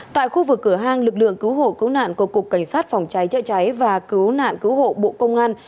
tại khu vực cửa hàng lực lượng cứu hộ cứu nạn của cục cảnh sát phòng cháy chữa cháy và cứu nạn cứu hộ bộ công an